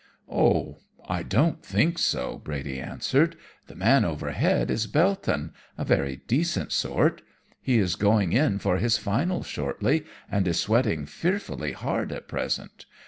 "'Oh, I don't think so,' Brady answered. 'The man overhead is Belton, a very decent sort. He is going in for his finals shortly, and is sweating fearfully hard at present.